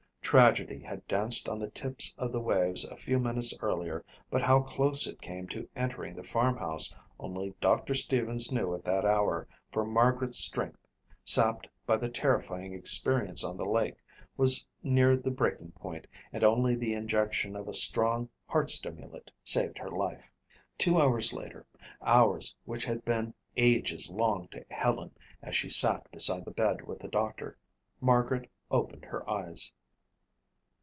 Tragedy had danced on the tips of the waves a few minutes earlier but how close it came to entering the farmhouse only Doctor Stevens knew at that hour for Margaret's strength, sapped by the terrifying experience on the lake, was near the breaking point and only the injection of a strong heart stimulant saved her life. Two hours later, hours which had been ages long to Helen as she sat beside the bed with the doctor, Margaret opened her eyes.